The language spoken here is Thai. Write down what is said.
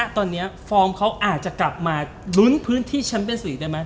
ตอนนี้ฟอร์มเขาอาจจะกลับมาลุ้นพื้นที่แชมป์เป็น๔ได้ไหม